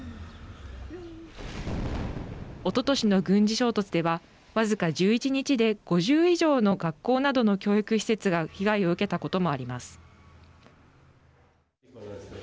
おととしの軍事衝突では僅か１１日で５０以上の学校などの教育施設が被害を受けたこともあります。